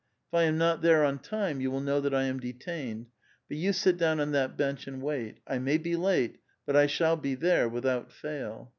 If I am not there on time vou will know that I am detained. But you sit down on that bench and wait. I may be late, but I shall be there without fail.